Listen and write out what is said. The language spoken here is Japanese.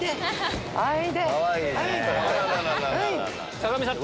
坂上さん。